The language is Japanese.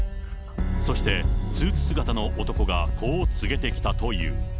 そして、スーツ姿の男がこう告げてきたという。